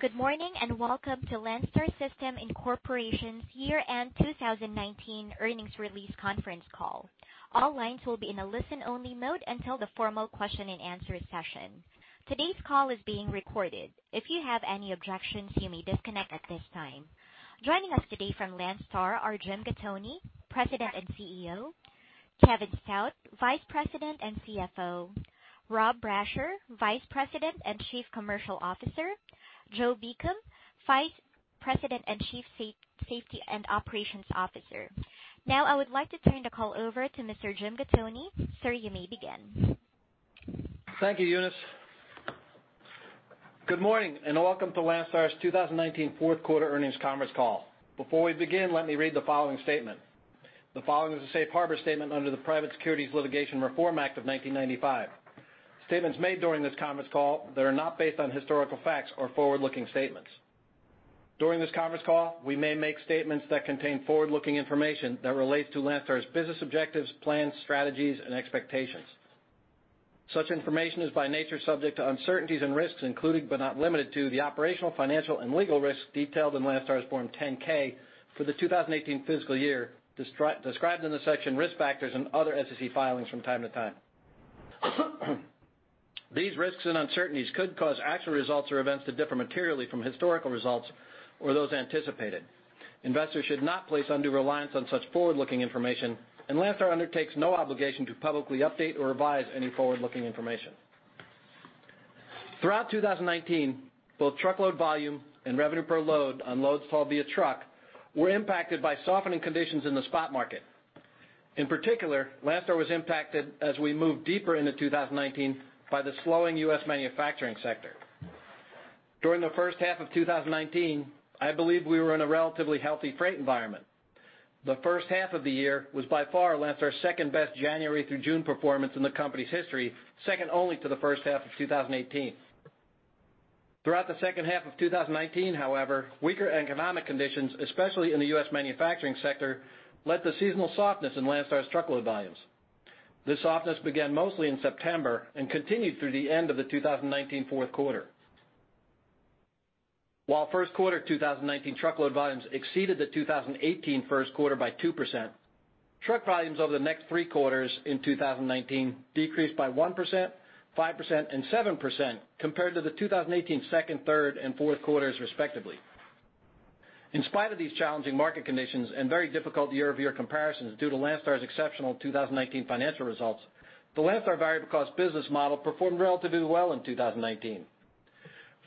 Good morning, and welcome to Landstar System, Inc.'s Year-End 2019 Earnings Release Conference Call. All lines will be in a listen-only mode until the formal question-and-answer session. TTRANSCRIPT Thank you, Eunice. Good morning, and welcome to Landstar's 2019 fourth quarter earnings conference call. Before we begin, let me read the following statement. The following is a safe harbor statement under the Private Securities Litigation Reform Act of 1995. Statements made during this conference call that are not based on historical facts are forward-looking statements. During this conference call, we may make statements that contain forward-looking information that relates to Landstar's business objectives, plans, strategies, and expectations. Such information is, by nature, subject to uncertainties and risks, including but not limited to, the operational, financial, and legal risks detailed in Landstar's Form 10-K for the 2018 fiscal year, described in the section Risk Factors and other SEC filings from time to time. These risks and uncertainties could cause actual results or events to differ materially from historical results or those anticipated. Investors should not place undue reliance on such forward-looking information, and Landstar undertakes no obligation to publicly update or revise any forward-looking information. Throughout 2019, both truckload volume and revenue per load on loads hauled via truck were impacted by softening conditions in the spot market. In particular, Landstar was impacted as we moved deeper into 2019 by the slowing U.S. manufacturing sector. During the first half of 2019, I believe we were in a relatively healthy freight environment. The first half of the year was, by far, Landstar's second-best January through June performance in the company's history, second only to the first half of 2018. Throughout the second half of 2019, however, weaker economic conditions, especially in the U.S. manufacturing sector, led to seasonal softness in Landstar's truckload volumes. This softness began mostly in September and continued through the end of the 2019 fourth quarter. While first quarter 2019 truckload volumes exceeded the 2018 first quarter by 2%, truck volumes over the next three quarters in 2019 decreased by 1%, 5%, and 7% compared to the 2018 second, third, and fourth quarters, respectively. In spite of these challenging market conditions and very difficult year-over-year comparisons due to Landstar's exceptional 2019 financial results, the Landstar variable cost business model performed relatively well in 2019.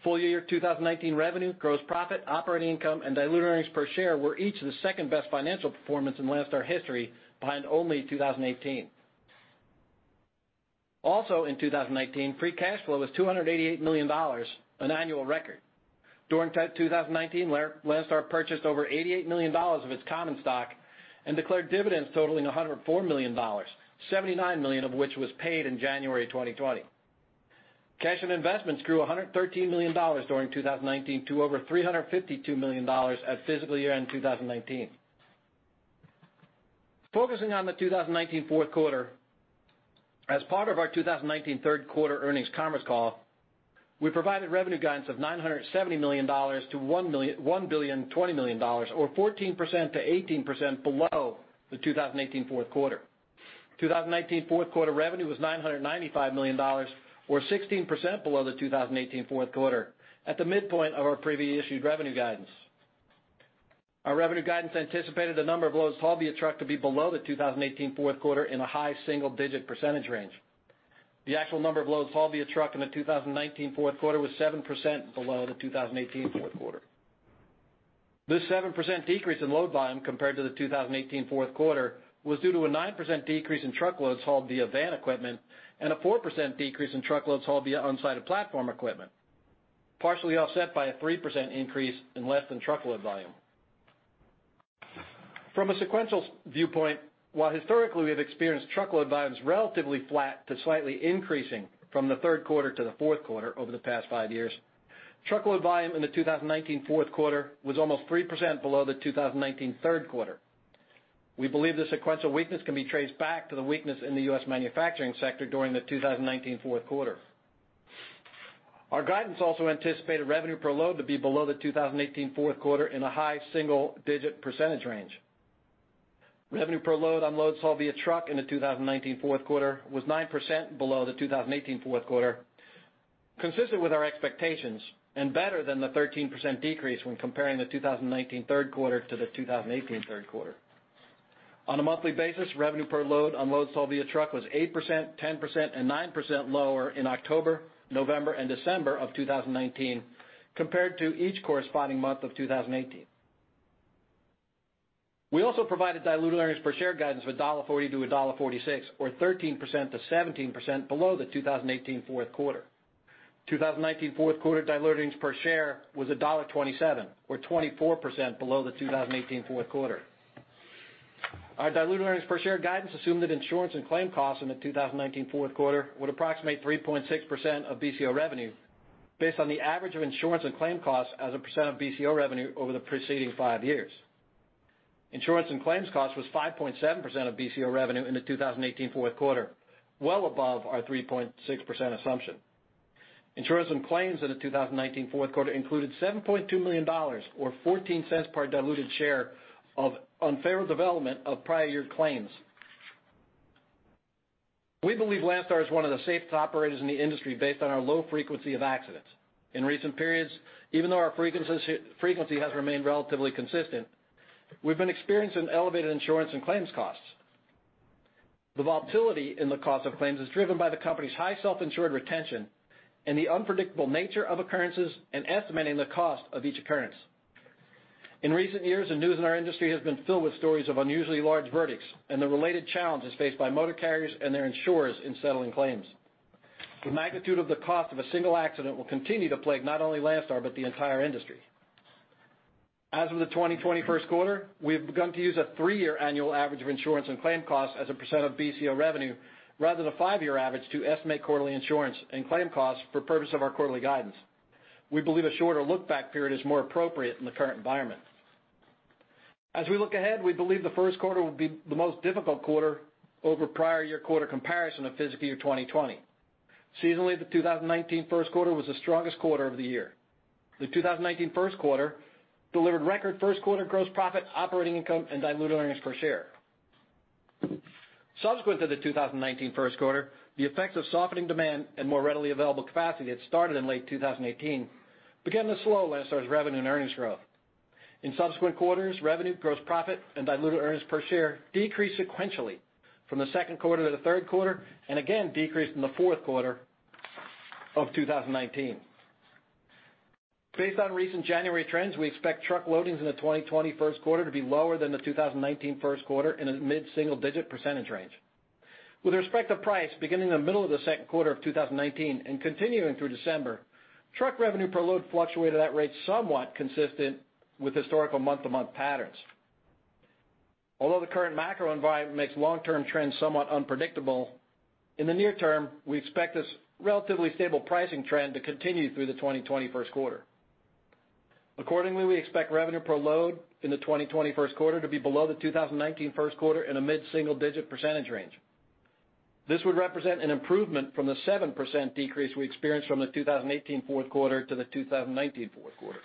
Full year 2019 revenue, gross profit, operating income, and diluted earnings per share were each the second-best financial performance in Landstar history, behind only 2018. Also, in 2019, free cash flow was $288 million, an annual record. During 2019, Landstar purchased over $88 million of its common stock and declared dividends totaling $104 million, $79 million of which was paid in January 2020. Cash and investments grew $113 million during 2019 to over $352 million at fiscal year-end 2019. Focusing on the 2019 fourth quarter, as part of our 2019 third quarter earnings conference call, we provided revenue guidance of $970 million-$1.02 billion, or 14%-18% below the 2018 fourth quarter. 2019 fourth quarter revenue was $995 million, or 16% below the 2018 fourth quarter, at the midpoint of our previously issued revenue guidance. Our revenue guidance anticipated the number of loads hauled via truck to be below the 2018 fourth quarter in a high single-digit percentage range. The actual number of loads hauled via truck in the 2019 fourth quarter was 7% below the 2018 fourth quarter. This 7% decrease in load volume compared to the 2018 fourth quarter was due to a 9% decrease in truckloads hauled via van equipment, and a 4% decrease in truckloads hauled via unsided platform equipment, partially offset by a 3% increase in less-than-truckload volume. From a sequential viewpoint, while historically we have experienced truckload volumes relatively flat to slightly increasing from the third quarter to the fourth quarter over the past five years, truckload volume in the 2019 fourth quarter was almost 3% below the 2019 third quarter. We believe the sequential weakness can be traced back to the weakness in the U.S. manufacturing sector during the 2019 fourth quarter. Our guidance also anticipated revenue per load to be below the 2018 fourth quarter in a high single-digit % range. Revenue per load on loads hauled via truck in the 2019 fourth quarter was 9% below the 2018 fourth quarter, consistent with our expectations, and better than the 13% decrease when comparing the 2019 third quarter to the 2018 third quarter. On a monthly basis, revenue per load on loads hauled via truck was 8%, 10%, and 9% lower in October, November, and December of 2019 compared to each corresponding month of 2018. We also provided diluted earnings per share guidance of $1.40-$1.46, or 13%-17% below the 2018 fourth quarter. 2019 fourth quarter diluted earnings per share was $1.27, or 24% below the 2018 fourth quarter. Our diluted earnings per share guidance assumed that insurance and claim costs in the 2019 fourth quarter would approximate 3.6% of BCO revenue, based on the average of insurance and claim costs as a percent of BCO revenue over the preceding five years.... Insurance and claims cost was 5.7% of BCO revenue in the 2018 fourth quarter, well above our 3.6% assumption. Insurance and claims in the 2019 fourth quarter included $7.2 million, or $0.14 per diluted share of unfavorable development of prior year claims. We believe Landstar is one of the safest operators in the industry, based on our low frequency of accidents. In recent periods, even though our frequency has remained relatively consistent, we've been experiencing elevated insurance and claims costs. The volatility in the cost of claims is driven by the company's high self-insured retention and the unpredictable nature of occurrences and estimating the cost of each occurrence. In recent years, the news in our industry has been filled with stories of unusually large verdicts, and the related challenges faced by motor carriers and their insurers in settling claims. The magnitude of the cost of a single accident will continue to plague not only Landstar, but the entire industry. As of the 2021 first quarter, we've begun to use a 3-year annual average of insurance and claim costs as a % of BCO revenue, rather than a 5-year average, to estimate quarterly insurance and claim costs for purpose of our quarterly guidance. We believe a shorter look-back period is more appropriate in the current environment. As we look ahead, we believe the first quarter will be the most difficult quarter over prior year quarter comparison of fiscal year 2020. Seasonally, the 2019 first quarter was the strongest quarter of the year. The 2019 first quarter delivered record first quarter gross profit, operating income, and diluted earnings per share. Subsequent to the 2019 first quarter, the effects of softening demand and more readily available capacity that started in late 2018 began to slow Landstar's revenue and earnings growth. In subsequent quarters, revenue, gross profit, and diluted earnings per share decreased sequentially from the second quarter to the third quarter, and again decreased in the fourth quarter of 2019. Based on recent January trends, we expect truck loadings in the 2020 first quarter to be lower than the 2019 first quarter in a mid-single digit percentage range. With respect to price, beginning in the middle of the second quarter of 2019 and continuing through December, truck revenue per load fluctuated at rates somewhat consistent with historical month-to-month patterns. Although the current macro environment makes long-term trends somewhat unpredictable, in the near term, we expect this relatively stable pricing trend to continue through the 2020 first quarter. Accordingly, we expect revenue per load in the 2020 first quarter to be below the 2019 first quarter in a mid-single-digit percentage range. This would represent an improvement from the 7% decrease we experienced from the 2018 fourth quarter to the 2019 fourth quarter.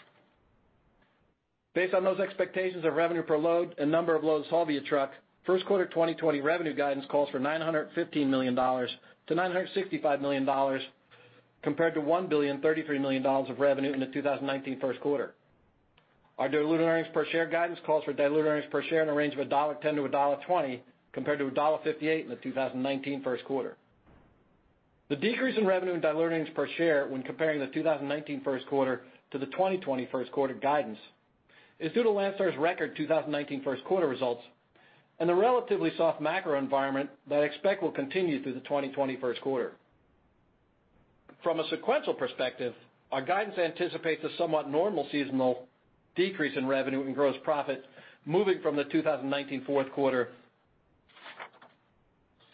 Based on those expectations of revenue per load and number of loads hauled via truck, first quarter 2020 revenue guidance calls for $915 million-$965 million, compared to $1,033 million of revenue in the 2019 first quarter. Our diluted earnings per share guidance calls for diluted earnings per share in a range of $1.10-$1.20, compared to $1.58 in the 2019 first quarter. The decrease in revenue and diluted earnings per share when comparing the 2019 first quarter to the 2020 first quarter guidance, is due to Landstar's record 2019 first quarter results, and the relatively soft macro environment that I expect will continue through the 2020 first quarter. From a sequential perspective, our guidance anticipates a somewhat normal seasonal decrease in revenue and gross profit moving from the 2019 fourth quarter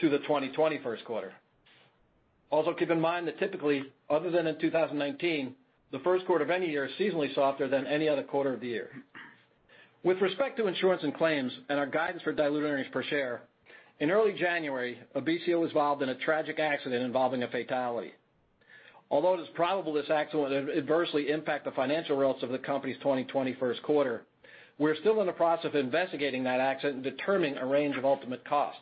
to the 2020 first quarter. Also, keep in mind that typically, other than in 2019, the first quarter of any year is seasonally softer than any other quarter of the year. With respect to insurance and claims, and our guidance for diluted earnings per share, in early January, a BCO was involved in a tragic accident involving a fatality. Although it is probable this accident will adversely impact the financial results of the company's 2020 first quarter, we're still in the process of investigating that accident and determining a range of ultimate costs.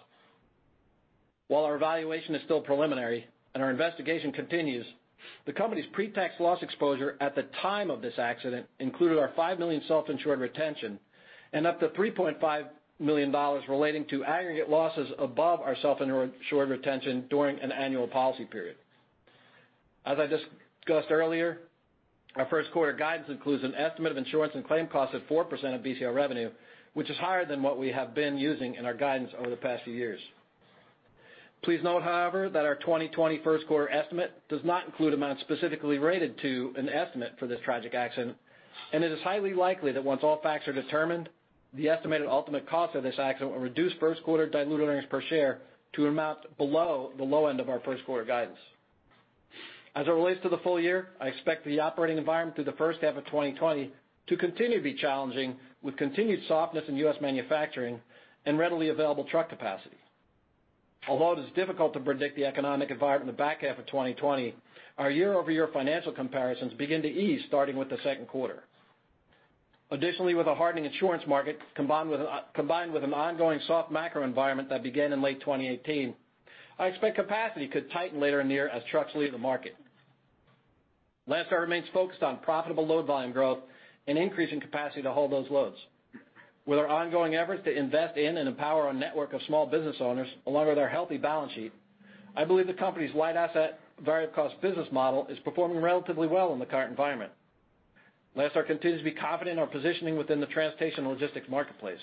While our evaluation is still preliminary and our investigation continues, the company's pre-tax loss exposure at the time of this accident included our $5 million self-insured retention and up to $3.5 million relating to aggregate losses above our self-insured retention during an annual policy period. As I discussed earlier, our first quarter guidance includes an estimate of insurance and claim costs at 4% of BCO revenue, which is higher than what we have been using in our guidance over the past few years. Please note, however, that our 2020 first quarter estimate does not include amounts specifically related to an estimate for this tragic accident, and it is highly likely that once all facts are determined, the estimated ultimate cost of this accident will reduce first quarter diluted earnings per share to amounts below the low end of our first quarter guidance. As it relates to the full year, I expect the operating environment through the first half of 2020 to continue to be challenging, with continued softness in U.S. manufacturing and readily available truck capacity. Although it is difficult to predict the economic environment in the back half of 2020, our year-over-year financial comparisons begin to ease starting with the second quarter. Additionally, with a hardening insurance market, combined with an ongoing soft macro environment that began in late 2018, I expect capacity could tighten later in the year as trucks leave the market. Landstar remains focused on profitable load volume growth and increasing capacity to haul those loads. With our ongoing efforts to invest in and empower our network of small business owners, along with our healthy balance sheet, I believe the company's light asset, varied cost business model is performing relatively well in the current environment. Landstar continues to be confident in our positioning within the transportation and logistics marketplace.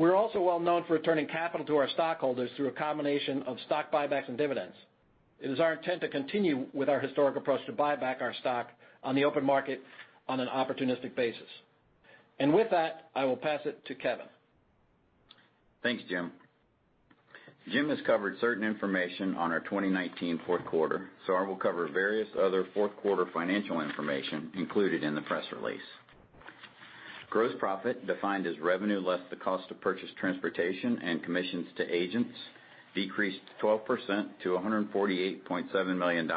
We're also well known for returning capital to our stockholders through a combination of stock buybacks and dividends. It is our intent to continue with our historic approach to buy back our stock on the open market on an opportunistic basis. With that, I will pass it to Kevin.... Thanks, Jim. Jim has covered certain information on our 2019 fourth quarter, so I will cover various other fourth quarter financial information included in the press release. Gross profit, defined as revenue less the cost of purchased transportation and commissions to agents, decreased 12% to $148.7 million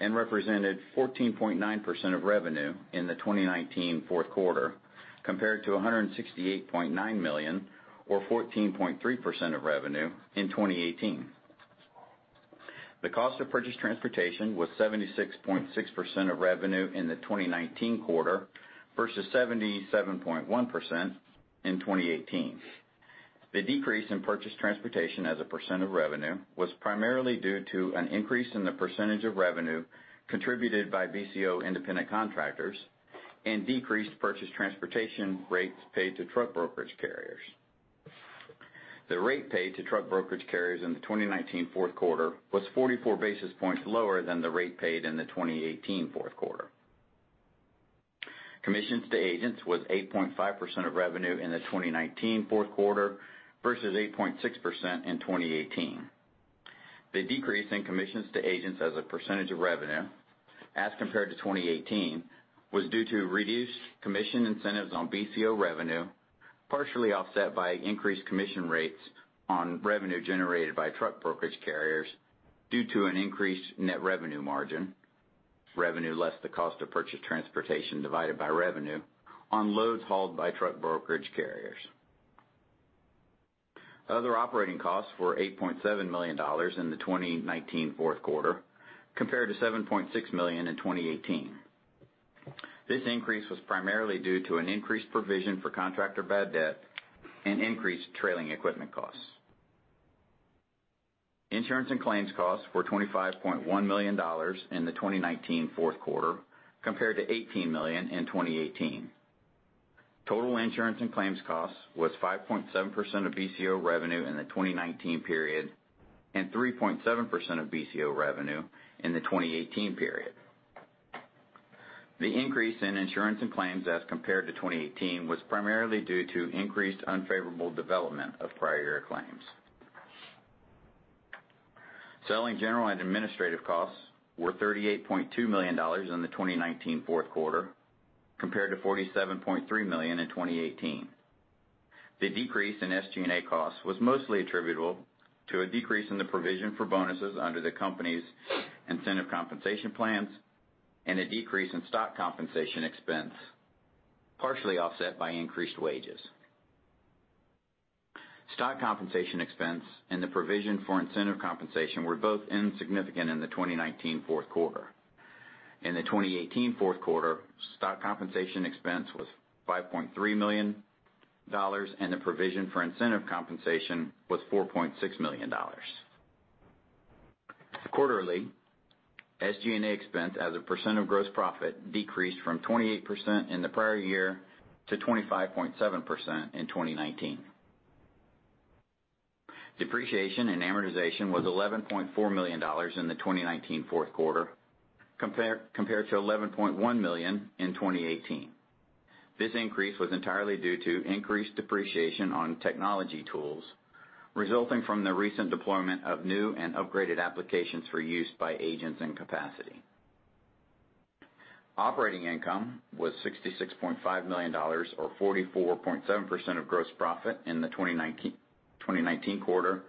and represented 14.9% of revenue in the 2019 fourth quarter, compared to $168.9 million or 14.3% of revenue in 2018. The cost of purchased transportation was 76.6% of revenue in the 2019 quarter versus 77.1% in 2018. The decrease in purchased transportation as a percent of revenue was primarily due to an increase in the percentage of revenue contributed by BCO independent contractors and decreased purchased transportation rates paid to truck brokerage carriers. The rate paid to truck brokerage carriers in the 2019 fourth quarter was 44 basis points lower than the rate paid in the 2018 fourth quarter. Commissions to agents was 8.5% of revenue in the 2019 fourth quarter versus 8.6% in 2018. The decrease in commissions to agents as a percentage of revenue as compared to 2018 was due to reduced commission incentives on BCO revenue, partially offset by increased commission rates on revenue generated by truck brokerage carriers due to an increased net revenue margin, revenue less the cost of purchased transportation divided by revenue on loads hauled by truck brokerage carriers. Other operating costs were $8.7 million in the 2019 fourth quarter, compared to $7.6 million in 2018. This increase was primarily due to an increased provision for contractor bad debt and increased trailing equipment costs. Insurance and claims costs were $25.1 million in the 2019 fourth quarter, compared to $18 million in 2018. Total insurance and claims costs was 5.7% of BCO revenue in the 2019 period and 3.7% of BCO revenue in the 2018 period. The increase in insurance and claims as compared to 2018 was primarily due to increased unfavorable development of prior year claims. Selling, general, and administrative costs were $38.2 million in the 2019 fourth quarter, compared to $47.3 million in 2018. The decrease in SG&A costs was mostly attributable to a decrease in the provision for bonuses under the company's incentive compensation plans and a decrease in stock compensation expense, partially offset by increased wages. Stock compensation expense and the provision for incentive compensation were both insignificant in the 2019 fourth quarter. In the 2018 fourth quarter, stock compensation expense was $5.3 million, and the provision for incentive compensation was $4.6 million. Quarterly, SG&A expense as a percent of gross profit decreased from 28% in the prior year to 25.7% in 2019. Depreciation and amortization was $11.4 million in the 2019 fourth quarter, compared to $11.1 million in 2018. This increase was entirely due to increased depreciation on technology tools, resulting from the recent deployment of new and upgraded applications for use by agents and capacity. Operating income was $66.5 million or 44.7% of gross profit in the 2019 quarter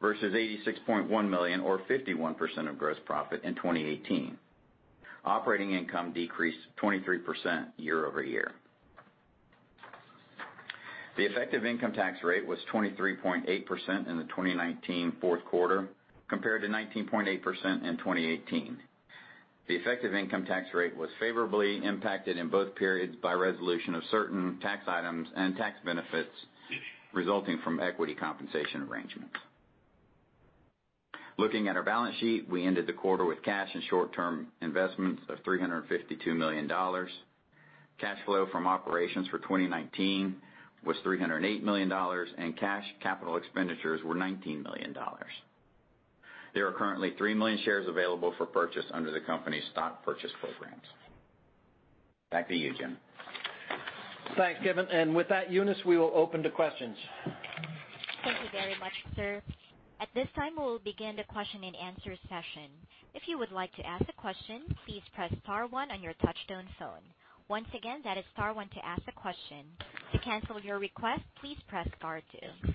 versus $86.1 million or 51% of gross profit in 2018. Operating income decreased 23% year-over-year. The effective income tax rate was 23.8% in the 2019 fourth quarter, compared to 19.8% in 2018. The effective income tax rate was favorably impacted in both periods by resolution of certain tax items and tax benefits resulting from equity compensation arrangements. Looking at our balance sheet, we ended the quarter with cash and short-term investments of $352 million. Cash flow from operations for 2019 was $308 million, and cash capital expenditures were $19 million. There are currently 3 million shares available for purchase under the company's stock purchase programs. Back to you, Jim. Thanks, Kevin. With that, Eunice, we will open to questions. Thank you very much, sir. At this time, we'll begin the question-and-answer session. If you would like to ask a question, please press star one on your touchtone phone. Once again, that is star one to ask a question. To cancel your request, please press star two.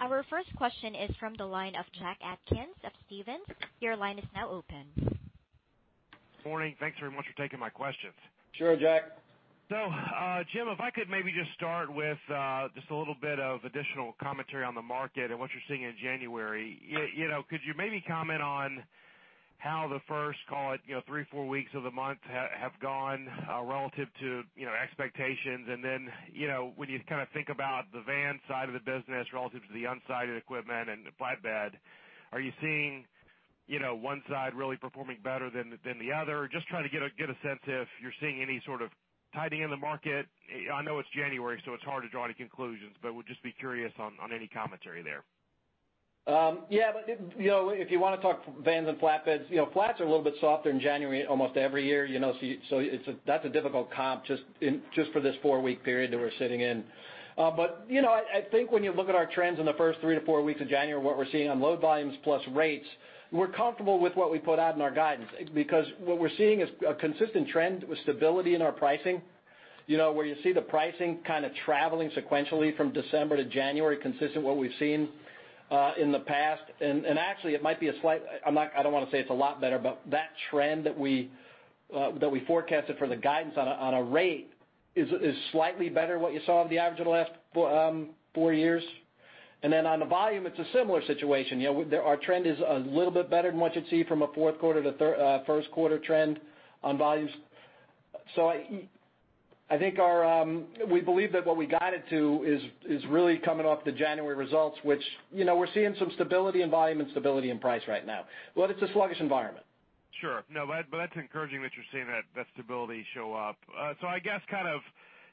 Our first question is from the line of Jack Atkins of Stephens. Your line is now open. Morning. Thanks very much for taking my questions. Sure, Jack. So, Jim, if I could maybe just start with just a little bit of additional commentary on the market and what you're seeing in January. You know, could you maybe comment on how the first, call it, you know, 3, 4 weeks of the month have gone relative to, you know, expectations? And then, you know, when you kind of think about the van side of the business relative to the unsided equipment and the flatbed, are you seeing, you know, one side really performing better than the other? Just trying to get a sense if you're seeing any sort of tightening in the market. I know it's January, so it's hard to draw any conclusions, but would just be curious on any commentary there.... Yeah, but, you know, if you want to talk vans and flatbeds, you know, flats are a little bit softer in January, almost every year, you know, so it's a, that's a difficult comp just for this four-week period that we're sitting in. But, you know, I think when you look at our trends in the first three to four weeks of January, what we're seeing on load volumes plus rates, we're comfortable with what we put out in our guidance. Because what we're seeing is a consistent trend with stability in our pricing, you know, where you see the pricing kind of traveling sequentially from December to January, consistent with what we've seen, in the past. Actually, it might be a slight. I'm not—I don't want to say it's a lot better, but that trend that we forecasted for the guidance on a rate is slightly better than what you saw on the average of the last four years. And then on the volume, it's a similar situation. You know, our trend is a little bit better than what you'd see from a fourth quarter to third first quarter trend on volumes. So I think our. We believe that what we guided to is really coming off the January results, which, you know, we're seeing some stability in volume and stability in price right now. But it's a sluggish environment. Sure. No, but that's encouraging that you're seeing that stability show up. So I guess kind of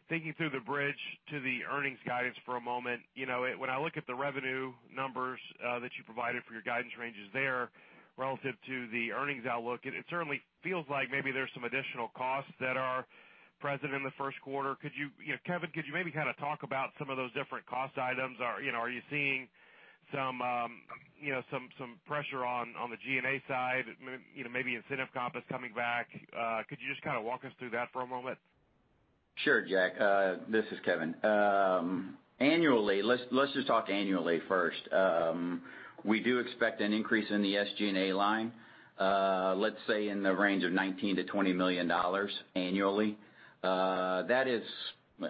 thinking through the bridge to the earnings guidance for a moment, you know, when I look at the revenue numbers that you provided for your guidance ranges there, relative to the earnings outlook, it certainly feels like maybe there's some additional costs that are present in the first quarter. Could you, you know, Kevin, could you maybe kind of talk about some of those different cost items? Are, you know, are you seeing some, you know, some pressure on the G&A side, you know, maybe incentive comp is coming back? Could you just kind of walk us through that for a moment? Sure, Jack. This is Kevin. Annually, let's just talk annually first. We do expect an increase in the SG&A line, let's say in the range of $19 million-$20 million annually. That is...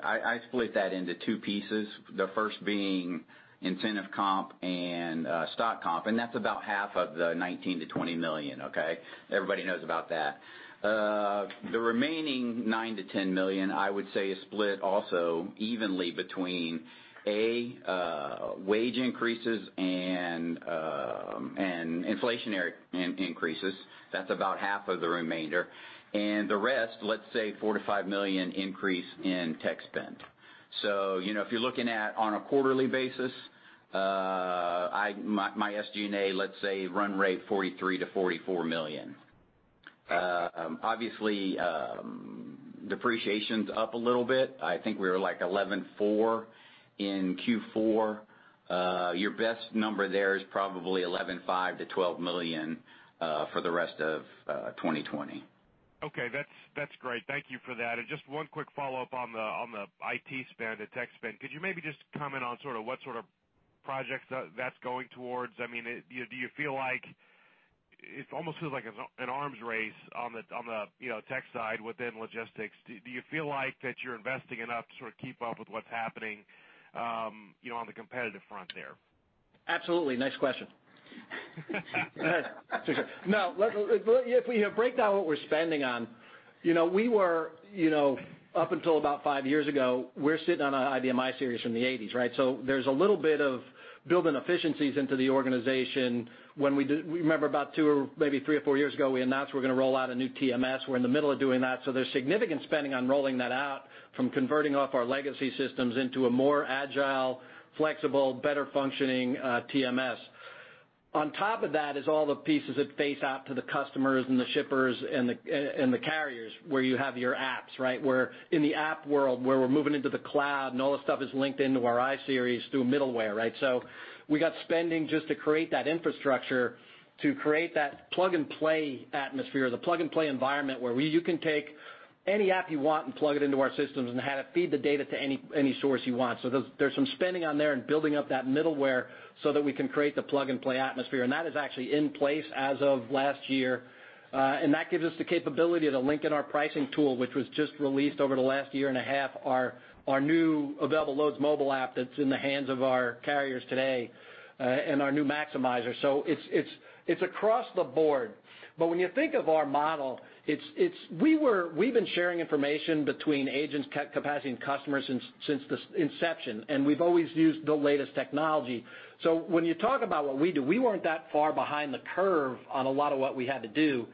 I split that into two pieces, the first being incentive comp and stock comp, and that's about half of the $19 million-$20 million, okay? Everybody knows about that. The remaining $9 million-$10 million, I would say, is split also evenly between, A, wage increases and inflationary increases. That's about half of the remainder. And the rest, let's say, $4 million-$5 million increase in tech spend. So you know, if you're looking at on a quarterly basis, my SG&A, let's say, run rate $43 million-$44 million. Obviously, depreciation's up a little bit. I think we were, like, $11.4 in Q4. Your best number there is probably $11.5 million-$12 million for the rest of 2020. Okay. That's, that's great. Thank you for that. And just one quick follow-up on the, on the IT spend, the tech spend. Could you maybe just comment on sort of what sort of projects that's going towards? I mean, do you, do you feel like... It almost feels like an, an arms race on the, on the, you know, tech side within logistics. Do, do you feel like that you're investing enough to sort of keep up with what's happening, you know, on the competitive front there? Absolutely. Nice question. No, if we break down what we're spending on, you know, we were, you know, up until about 5 years ago, we're sitting on an IBM iSeries from the 1980s, right? So there's a little bit of building efficiencies into the organization. When we remember about 2, or maybe 3 or 4 years ago, we announced we're going to roll out a new TMS. We're in the middle of doing that, so there's significant spending on rolling that out, from converting off our legacy systems into a more agile, flexible, better functioning, TMS. On top of that is all the pieces that face out to the customers and the shippers and the, and the carriers, where you have your apps, right? Where in the app world, where we're moving into the cloud, and all the stuff is linked into our iSeries through middleware, right? So we got spending just to create that infrastructure, to create that plug-and-play atmosphere, the plug-and-play environment, where we, you can take any app you want and plug it into our systems and have it feed the data to any source you want. So there's some spending on there and building up that middleware so that we can create the plug-and-play atmosphere, and that is actually in place as of last year. And that gives us the capability to link in our pricing tool, which was just released over the last year and a half, our new Available Loads mobile app that's in the hands of our carriers today, and our new Maximizer. So it's across the board. But when you think of our model, it's... We've been sharing information between agents, capacity, and customers since the inception, and we've always used the latest technology. So when you talk about what we do, we weren't that far behind the curve on a lot of what we had to do.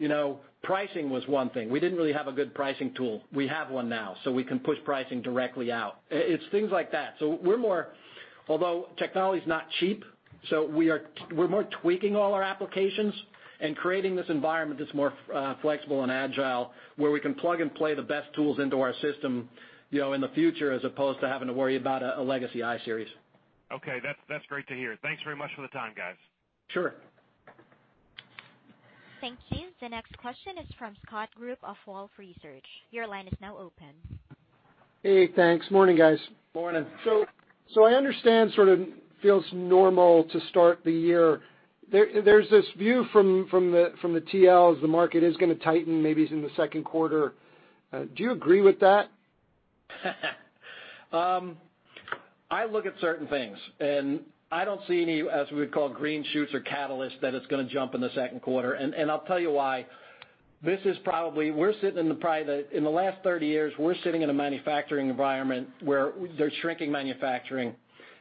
You know, pricing was one thing. We didn't really have a good pricing tool. We have one now, so we can push pricing directly out. It's things like that. So we're more... Although technology is not cheap, so we're more tweaking all our applications and creating this environment that's more flexible and agile, where we can plug and play the best tools into our system, you know, in the future, as opposed to having to worry about a legacy iSeries. Okay. That's, that's great to hear. Thanks very much for the time, guys. Sure. Thank you. The next question is from Scott Group of Wolfe Research. Your line is now open. Hey, thanks. Morning, guys. Morning. So I understand sort of feels normal to start the year. There's this view from the TLs, the market is going to tighten, maybe in the second quarter. Do you agree with that? I look at certain things, and I don't see any, as we would call, green shoots or catalysts, that it's going to jump in the second quarter. And I'll tell you why. This is probably, we're sitting in the, in the last 30 years, we're sitting in a manufacturing environment where they're shrinking manufacturing.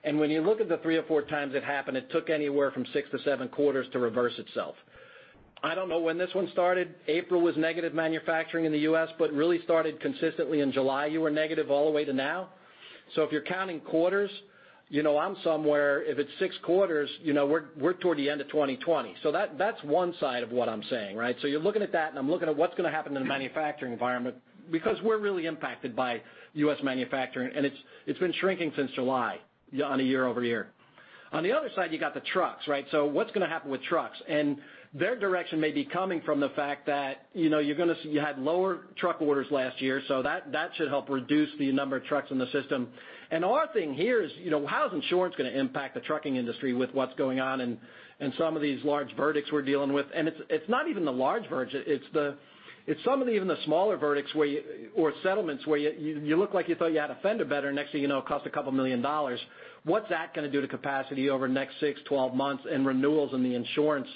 And when you look at the three or four times it happened, it took anywhere from six to seven quarters to reverse itself. I don't know when this one started. April was negative manufacturing in the U.S., but really started consistently in July. You were negative all the way to now. So if you're counting quarters, you know, I'm somewhere, if it's six quarters, you know, we're toward the end of 2020. So that, that's one side of what I'm saying, right? So you're looking at that, and I'm looking at what's going to happen in the manufacturing environment, because we're really impacted by U.S. manufacturing, and it's, it's been shrinking since July on a year-over-year. On the other side, you got the trucks, right? So what's going to happen with trucks? And their direction may be coming from the fact that, you know, you're going to see you had lower truck orders last year, so that, that should help reduce the number of trucks in the system. And our thing here is, you know, how is insurance going to impact the trucking industry with what's going on and, and some of these large verdicts we're dealing with? It's not even the large verdicts, it's some of the even the smaller verdicts where you or settlements, where you look like you thought you had a fender bender, next thing you know, it cost $2 million. What's that going to do to capacity over the next 6, 12 months and renewals in the insurance,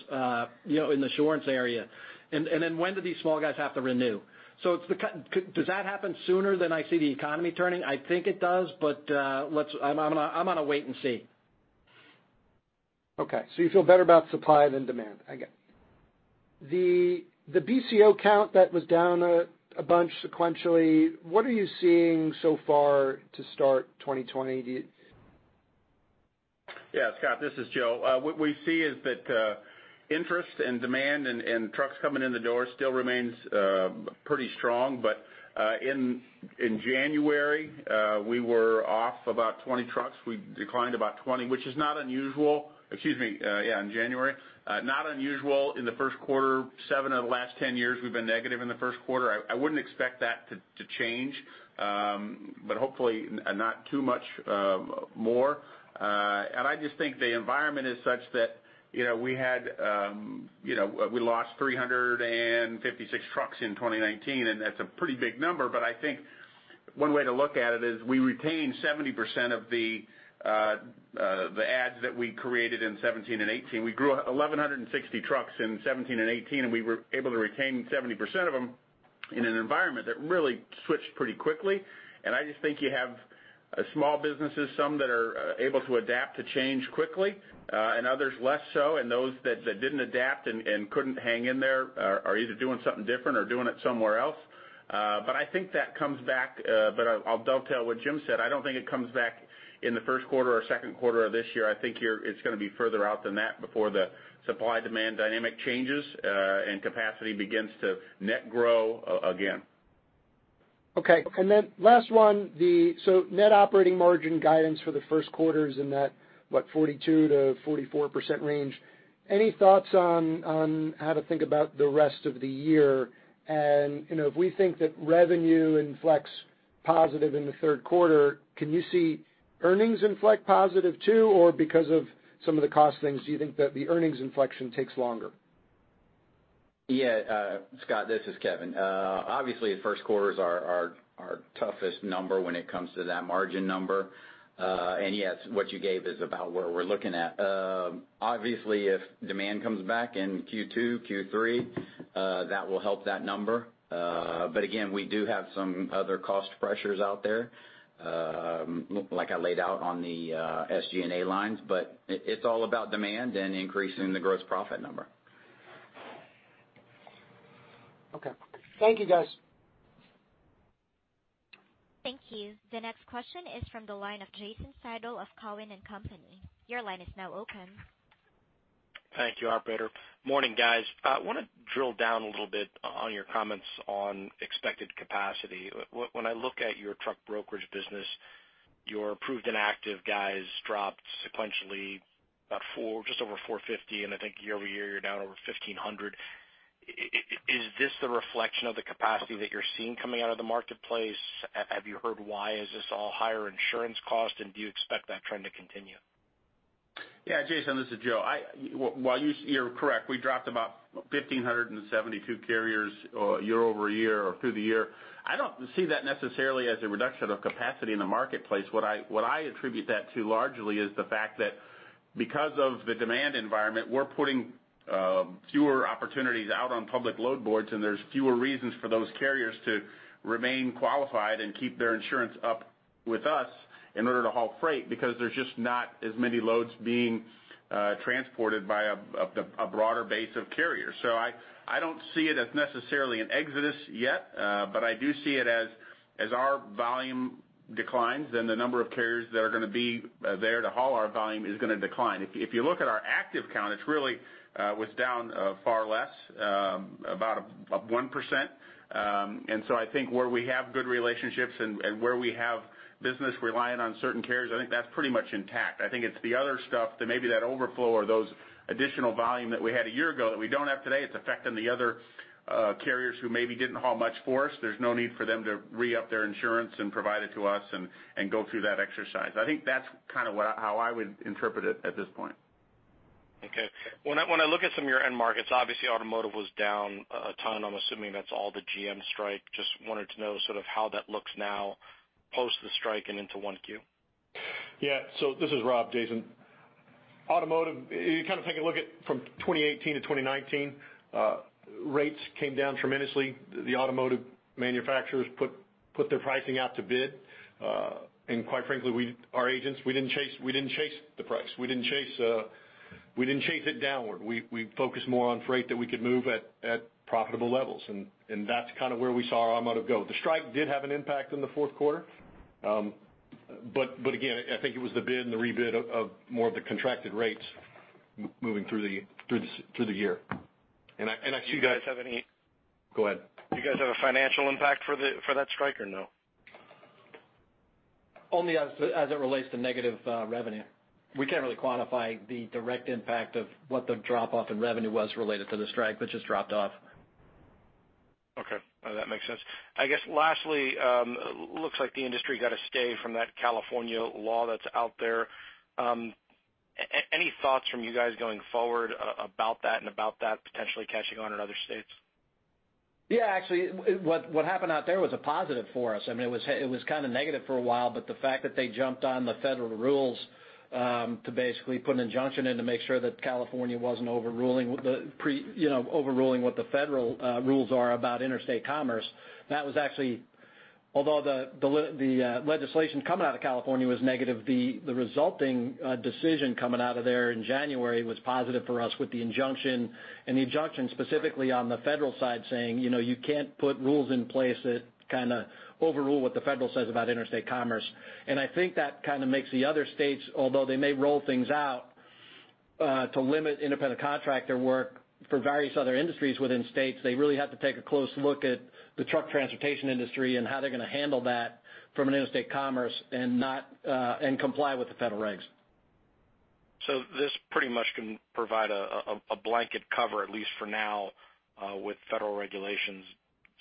you know, in the insurance area? And then when do these small guys have to renew? Does that happen sooner than I see the economy turning? I think it does, but let's- I'm on a wait and see. Okay, so you feel better about supply than demand? I get it. The BCO count that was down a bunch sequentially, what are you seeing so far to start 2020? Do you- Yeah, Scott, this is Joe. What we see is that interest and demand and trucks coming in the door still remains pretty strong. But in January we were off about 20 trucks. We declined about 20, which is not unusual. Excuse me, yeah, in January. Not unusual in the first quarter. Seven of the last 10 years, we've been negative in the first quarter. I wouldn't expect that to change, but hopefully not too much more. And I just think the environment is such that, you know, we had, you know, we lost 356 trucks in 2019, and that's a pretty big number. But I think one way to look at it is we retained 70% of the adds that we created in 2017 and 2018. We grew 1,160 trucks in 2017 and 2018, and we were able to retain 70% of them in an environment that really switched pretty quickly. I just think you have a small businesses, some that are able to adapt to change quickly, and others less so. Those that didn't adapt and couldn't hang in there are either doing something different or doing it somewhere else. But I think that comes back, but I'll dovetail what Jim said: I don't think it comes back in the first quarter or second quarter of this year. I think here, it's going to be further out than that before the supply-demand dynamic changes, and capacity begins to net grow again. Okay. And then last one, so net operating margin guidance for the first quarter is in that, what, 42%-44% range. Any thoughts on how to think about the rest of the year? And, you know, if we think that revenue inflects positive in the third quarter, can you see earnings inflect positive, too? Or because of some of the cost things, do you think that the earnings inflection takes longer? Yeah, Scott, this is Kevin. Obviously, the first quarter is our toughest number when it comes to that margin number. Yes, what you gave is about where we're looking at. Obviously, if demand comes back in Q2, Q3, that will help that number. But again, we do have some other cost pressures out there, like I laid out on the SG&A lines, but it's all about demand and increasing the gross profit number. Okay. Thank you, guys. Thank you. The next question is from the line of Jason Seidel of Cowen and Company. Your line is now open. Thank you, operator. Morning, guys. I want to drill down a little bit on your comments on expected capacity. When I look at your truck brokerage business, your approved and active guys dropped sequentially, about 4, just over 450, and I think year-over-year, you're down over 1,500. Is this the reflection of the capacity that you're seeing coming out of the marketplace? Have you heard why? Is this all higher insurance cost, and do you expect that trend to continue? Yeah, Jason, this is Joe. While you're correct, we dropped about 1,572 carriers year-over-year or through the year. I don't see that necessarily as a reduction of capacity in the marketplace. What I attribute that to largely is the fact that because of the demand environment, we're putting fewer opportunities out on public load boards, and there's fewer reasons for those carriers to remain qualified and keep their insurance up with us in order to haul freight, because there's just not as many loads being transported by a broader base of carriers. So I don't see it as necessarily an exodus yet, but I do see it as as our volume declines, then the number of carriers that are going to be there to haul our volume is going to decline. If you look at our active count, it's really was down far less, about 1%. And so I think where we have good relationships and where we have business reliant on certain carriers, I think that's pretty much intact. I think it's the other stuff that maybe that overflow or those additional volume that we had a year ago that we don't have today, it's affecting the other carriers who maybe didn't haul much for us. There's no need for them to re-up their insurance and provide it to us and go through that exercise. I think that's kind of what, how I would interpret it at this point. Okay. When I look at some of your end markets, obviously automotive was down a ton. I'm assuming that's all the GM strike. Just wanted to know sort of how that looks now, post the strike and into 1Q. Yeah. So this is Rob, Jason. Automotive, you kind of take a look at from 2018 to 2019.... Rates came down tremendously. The automotive manufacturers put their pricing out to bid. And quite frankly, our agents didn't chase the price. We didn't chase it downward. We focused more on freight that we could move at profitable levels, and that's kind of where we saw our automotive go. The strike did have an impact in the fourth quarter, but again, I think it was the bid and the rebid of more of the contracted rates moving through the year. And I- Do you guys have any- Go ahead. Do you guys have a financial impact for that strike or no? Only as it relates to negative revenue. We can't really quantify the direct impact of what the drop-off in revenue was related to the strike, but just dropped off. Okay. No, that makes sense. I guess, lastly, looks like the industry got a stay from that California law that's out there. Any thoughts from you guys going forward about that and about that potentially catching on in other states? Yeah, actually, what happened out there was a positive for us. I mean, it was kind of negative for a while, but the fact that they jumped on the federal rules to basically put an injunction in to make sure that California wasn't overruling the pre, you know, overruling what the federal rules are about interstate commerce, that was actually... Although the legislation coming out of California was negative, the resulting decision coming out of there in January was positive for us with the injunction, and the injunction specifically on the federal side, saying, you know, "You can't put rules in place that kind of overrule what the federal says about interstate commerce." And I think that kind of makes the other states, although they may roll things out, to limit independent contractor work for various other industries within states, they really have to take a close look at the truck transportation industry and how they're going to handle that from an interstate commerce and comply with the federal regs. This pretty much can provide a blanket cover, at least for now, with federal regulations.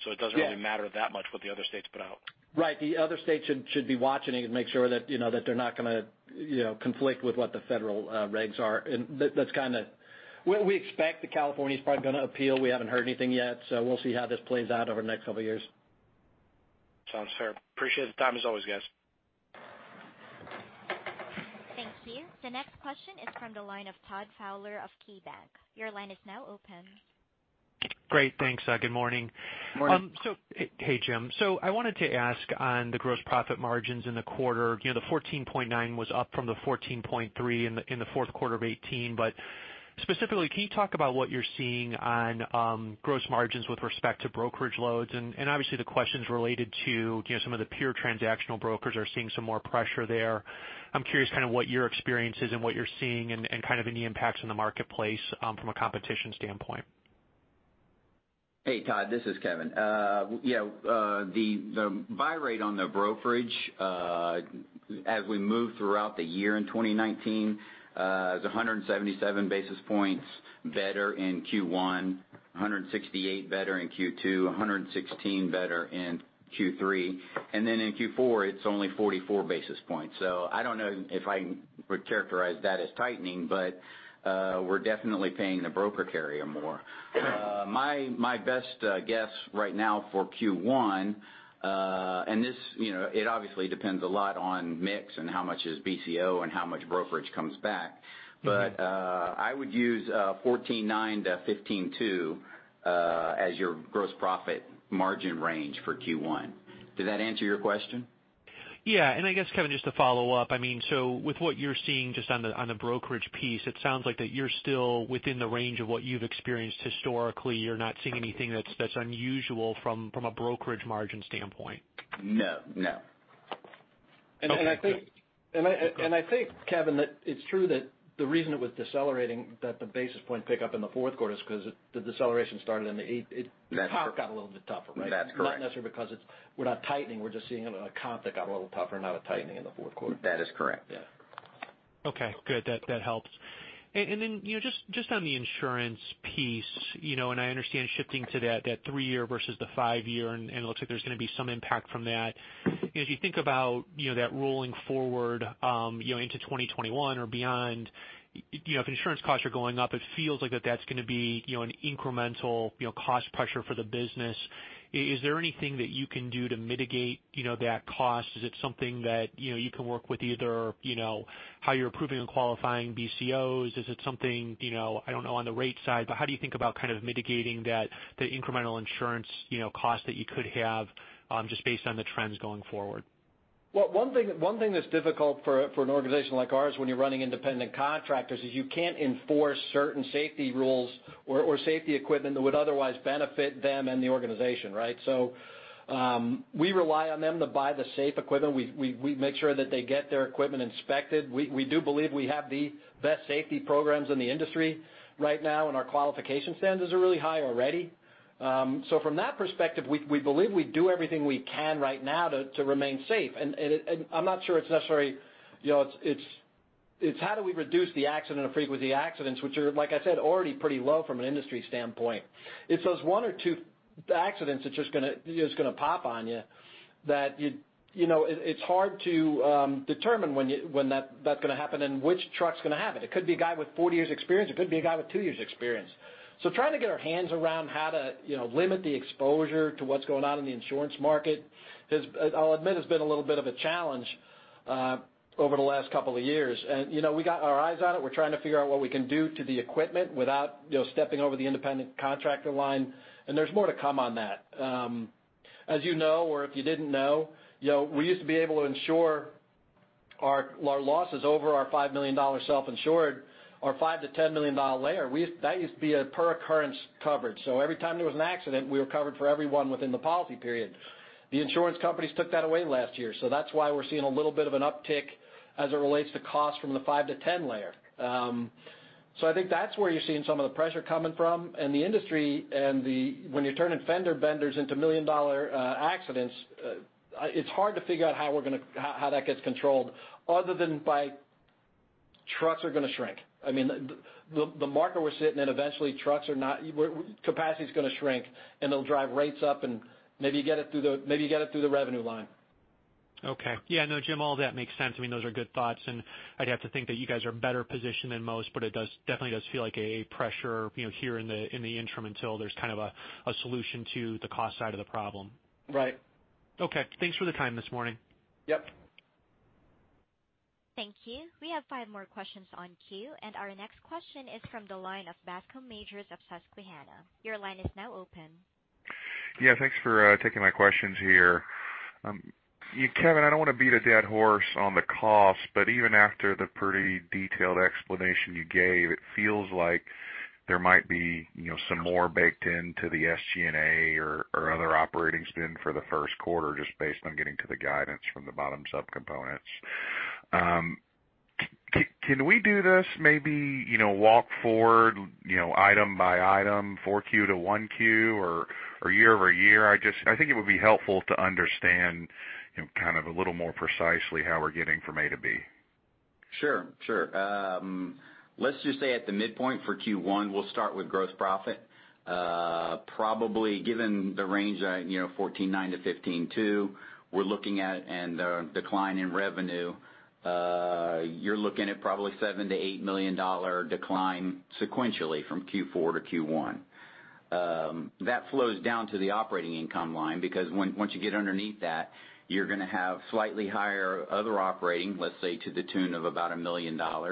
Yeah. It doesn't really matter that much what the other states put out. Right. The other states should be watching it and make sure that, you know, that they're not going to, you know, conflict with what the federal regs are. And that's kind of... Well, we expect that California's probably going to appeal. We haven't heard anything yet, so we'll see how this plays out over the next couple of years. Sounds fair. Appreciate the time as always, guys. Thank you. The next question is from the line of Todd Fowler of KeyBanc. Your line is now open. Great. Thanks. Good morning. Morning. Hey, Jim. So I wanted to ask on the gross profit margins in the quarter. You know, the 14.9% was up from the 14.3% in the fourth quarter of 2018. But specifically, can you talk about what you're seeing on gross margins with respect to brokerage loads? And obviously, the questions related to, you know, some of the pure transactional brokers are seeing some more pressure there. I'm curious kind of what your experience is and what you're seeing and kind of any impacts in the marketplace from a competition standpoint. Hey, Todd, this is Kevin. The buy rate on the brokerage, as we move throughout the year in 2019, is 177 basis points better in Q1, 168 better in Q2, 116 better in Q3, and then in Q4, it's only 44 basis points. So I don't know if I would characterize that as tightening, but we're definitely paying the broker carrier more. My best guess right now for Q1, and this, you know, it obviously depends a lot on mix and how much is BCO and how much brokerage comes back. Mm-hmm. But, I would use 14.9%-15.2% as your gross profit margin range for Q1. Did that answer your question? Yeah. And I guess, Kevin, just to follow up, I mean, so with what you're seeing just on the, on the brokerage piece, it sounds like that you're still within the range of what you've experienced historically. You're not seeing anything that's, that's unusual from, from a brokerage margin standpoint? No. No. Okay. And I think- Go ahead. I think, Kevin, that it's true that the reason it was decelerating, that the basis point pickup in the fourth quarter is 'cause the deceleration started in the eight, it- That's- The top got a little bit tougher, right? That's correct. Not necessarily because it's, we're not tightening, we're just seeing a comp that got a little tougher, not a tightening in the fourth quarter. That is correct. Yeah. Okay, good. That helps. And then, you know, just on the insurance piece, you know, and I understand shifting to that three-year versus the five-year, and it looks like there's going to be some impact from that. As you think about, you know, that rolling forward into 2021 or beyond, you know, if insurance costs are going up, it feels like that's going to be, you know, an incremental cost pressure for the business. Is there anything that you can do to mitigate that cost? Is it something that, you know, you can work with either, you know, how you're approving and qualifying BCOs? Is it something, you know, I don't know, on the rate side, but how do you think about kind of mitigating that, the incremental insurance, you know, cost that you could have, just based on the trends going forward? Well, one thing that's difficult for an organization like ours when you're running independent contractors is you can't enforce certain safety rules or safety equipment that would otherwise benefit them and the organization, right? So, we rely on them to buy the safe equipment. We make sure that they get their equipment inspected. We do believe we have the best safety programs in the industry right now, and our qualification standards are really high already. So from that perspective, we believe we do everything we can right now to remain safe. And I'm not sure it's necessarily, you know, it's how do we reduce the accident or frequency of accidents, which are, like I said, already pretty low from an industry standpoint. It's those one or two accidents that's just gonna pop on you, that you know, it's hard to determine when that's gonna happen and which truck's gonna have it. It could be a guy with 40 years experience, it could be a guy with two years experience. So trying to get our hands around how to, you know, limit the exposure to what's going on in the insurance market has, I'll admit, has been a little bit of a challenge over the last couple of years. You know, we got our eyes on it. We're trying to figure out what we can do to the equipment without, you know, stepping over the independent contractor line, and there's more to come on that. As you know, or if you didn't know, you know, we used to be able to insure our, our losses over our $5 million self-insured, our $5-$10 million layer. That used to be a per occurrence coverage. So every time there was an accident, we were covered for everyone within the policy period. The insurance companies took that away last year, so that's why we're seeing a little bit of an uptick as it relates to cost from the $5-$10 layer. So I think that's where you're seeing some of the pressure coming from. And the industry and the, when you're turning fender benders into $1 million accidents, it's hard to figure out how that gets controlled other than by trucks are gonna shrink. I mean, the market we're sitting in, eventually, capacity is gonna shrink, and it'll drive rates up, and maybe you get it through the revenue line. Okay. Yeah, no, Jim, all that makes sense. I mean, those are good thoughts, and I'd have to think that you guys are better positioned than most, but it does, definitely does feel like a pressure, you know, here in the, in the interim, until there's kind of a, a solution to the cost side of the problem. Right. Okay. Thanks for the time this morning. Yep. Thank you. We have five more questions in queue, and our next question is from the line of Bascom Majors of Susquehanna. Your line is now open. Yeah, thanks for taking my questions here. You, Kevin, I don't want to beat a dead horse on the cost, but even after the pretty detailed explanation you gave, it feels like there might be, you know, some more baked into the SG&A or other operating spend for the first quarter, just based on getting to the guidance from the bottom subcomponents. Can we do this, maybe, you know, walk forward, you know, item by item, 4Q to 1Q or year-over-year? I just... I think it would be helpful to understand, you know, kind of a little more precisely how we're getting from A to B. Sure, sure. Let's just say at the midpoint for Q1, we'll start with gross profit. Probably, given the range, you know, $149 million-$152 million, we're looking at, and the decline in revenue, you're looking at probably $7 million-$8 million decline sequentially from Q4 to Q1. That flows down to the operating income line, because once you get underneath that, you're gonna have slightly higher other operating, let's say, to the tune of about $1 million. But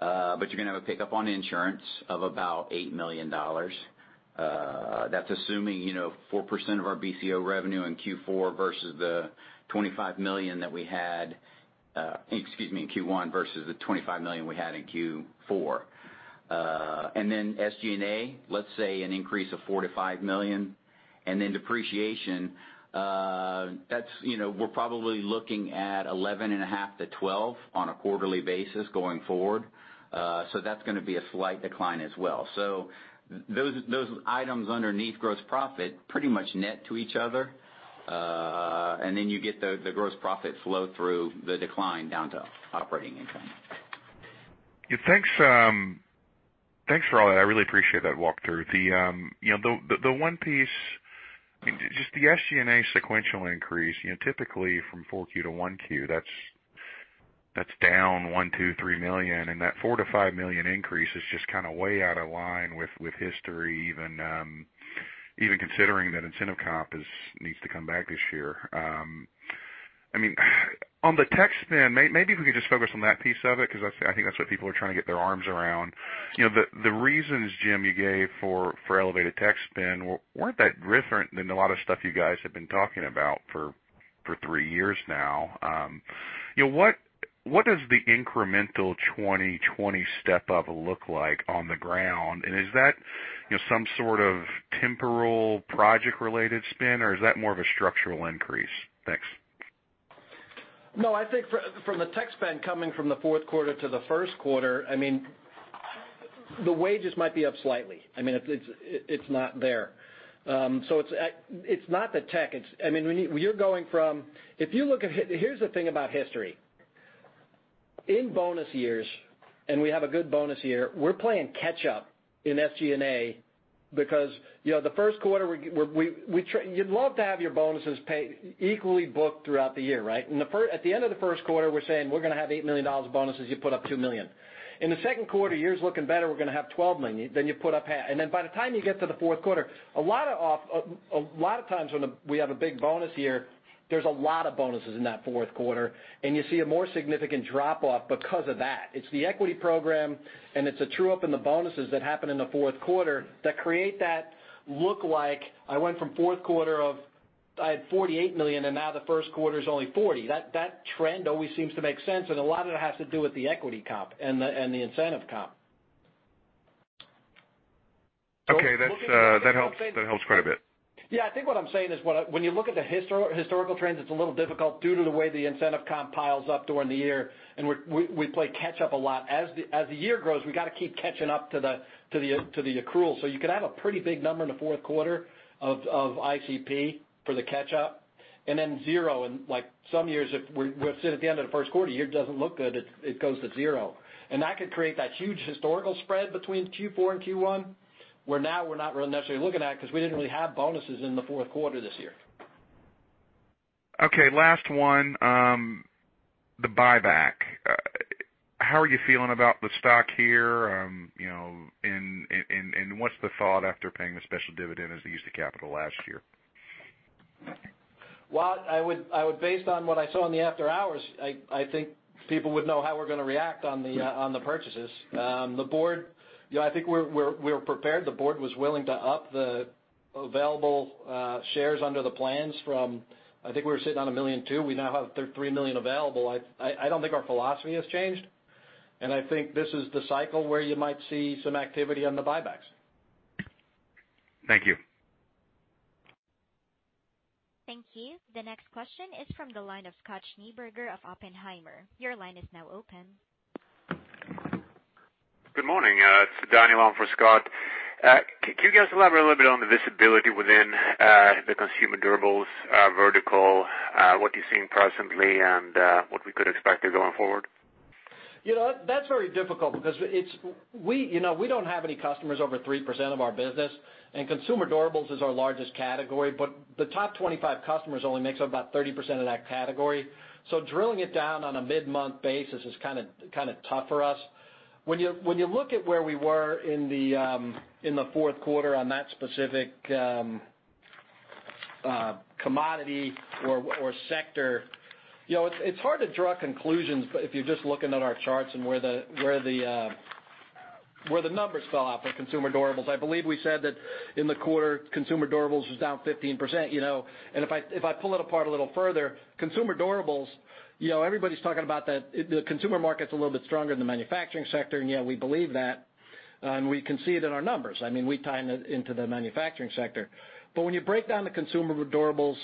you're gonna have a pickup on insurance of about $8 million. That's assuming, you know, 4% of our BCO revenue in Q4 versus the $25 million that we had, excuse me, in Q1 versus the $25 million we had in Q4. And then SG&A, let's say an increase of $4 million-$5 million, and then depreciation, that's, you know, we're probably looking at $11.5 million-$12 million on a quarterly basis going forward. So that's gonna be a slight decline as well. So those items underneath gross profit pretty much net to each other, and then you get the gross profit flow through the decline down to operating income. Yeah, thanks, thanks for all that. I really appreciate that walk through. The, you know, the one piece, just the SG&A sequential increase, you know, typically from Q4 to Q1, that's down $1-$3 million, and that $4-$5 million increase is just kind of way out of line with history, even considering that incentive comp needs to come back this year. I mean, on the tech spend, maybe if we could just focus on that piece of it, because that's, I think that's what people are trying to get their arms around. You know, the reasons, Jim, you gave for elevated tech spend weren't that different than a lot of stuff you guys have been talking about for three years now. You know, what does the incremental 2020 step-up look like on the ground? And is that, you know, some sort of temporal project-related spend, or is that more of a structural increase? Thanks. No, I think from the tech spend coming from the fourth quarter to the first quarter, I mean, the wages might be up slightly. I mean, it's not there. So it's at. It's not the tech. It's, I mean, when you're going from. If you look at here's the thing about history. In bonus years, and we have a good bonus year, we're playing catch up in SG&A because, you know, the first quarter, we're. We'd love to have your bonuses paid equally booked throughout the year, right? At the end of the first quarter, we're saying, "We're gonna have $8 million of bonuses," you put up $2 million. In the second quarter, year's looking better, we're gonna have $12 million, then you put up half. Then by the time you get to the fourth quarter, a lot of times when we have a big bonus year, there's a lot of bonuses in that fourth quarter, and you see a more significant drop-off because of that. It's the equity program, and it's a true-up in the bonuses that happen in the fourth quarter that create that look like I went from fourth quarter of I had $48 million, and now the first quarter is only $40. That trend always seems to make sense, and a lot of it has to do with the equity comp and the incentive comp. Okay, that's, that helps, that helps quite a bit. Yeah, I think what I'm saying is, when you look at the historical trends, it's a little difficult due to the way the incentive comp piles up during the year, and we play catch up a lot. As the year grows, we got to keep catching up to the accrual. So you could have a pretty big number in the fourth quarter of ICP for the catch-up, and then zero in, like, some years, if we're sitting at the end of the first quarter, the year doesn't look good, it goes to zero. And that could create that huge historical spread between Q4 and Q1, where now we're not really necessarily looking at, because we didn't really have bonuses in the fourth quarter this year. Okay, last one, the buyback. How are you feeling about the stock here? You know, and what's the thought after paying the special dividend as the use of capital last year?... Well, I would based on what I saw in the after hours, I think people would know how we're going to react on the, on the purchases. The board, you know, I think we're prepared. The board was willing to up the available shares under the plans from I think we were sitting on 1.2 million, we now have 3 million available. I don't think our philosophy has changed, and I think this is the cycle where you might see some activity on the buybacks. Thank you. Thank you. The next question is from the line of Scott Schneeberger of Oppenheimer. Your line is now open. Good morning, it's Danny on for Scott. Can you guys elaborate a little bit on the visibility within the consumer durables vertical, what you're seeing presently and what we could expect there going forward? You know, that's very difficult because it's we, you know, we don't have any customers over 3% of our business, and consumer durables is our largest category, but the top 25 customers only makes up about 30% of that category. So drilling it down on a mid-month basis is kind of, kind of tough for us. When you, when you look at where we were in the fourth quarter on that specific commodity or, or sector, you know, it's, it's hard to draw conclusions, but if you're just looking at our charts and where the numbers fell off on consumer durables. I believe we said that in the quarter, consumer durables was down 15%, you know, and if I pull it apart a little further, consumer durables, you know, everybody's talking about that the consumer market's a little bit stronger than the manufacturing sector, and yeah, we believe that, and we can see it in our numbers. I mean, we tie it into the manufacturing sector. But when you break down the consumer durables,